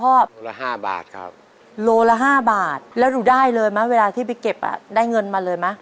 โลละ๕บาทครับโลละ๕บาทแล้วหนูได้เลยไหมเวลาที่ไปเก็บอ่ะได้เงินมาเลยไหม